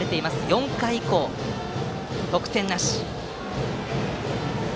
４回以降得点はなし。